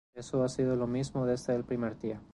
Eso ha sido lo mismo desde el primer día.